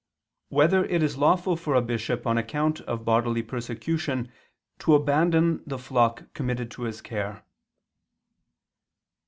5] Whether It Is Lawful for a Bishop on Account of Bodily Persecution to Abandon the Flock Committed to His Care?